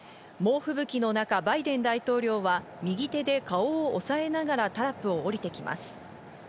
もう吹雪の中バイデン大統領は右手で顔をおさえながらタラップを降りてきます。